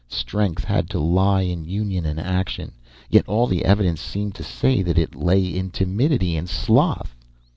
Strength had to lie in union and action; yet all the evidence seemed to say that it lay in timidity and sloth.